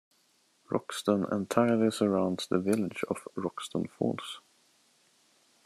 Roxton entirely surrounds the village of Roxton Falls.